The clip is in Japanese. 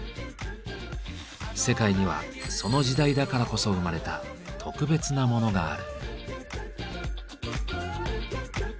世界にはその時代だからこそ生まれた特別なモノがある。